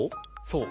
そう。